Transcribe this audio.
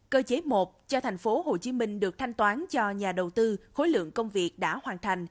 cơ chế một cho tp hcm được thanh toán cho nhà đầu tư khối lượng công việc đã hoàn thành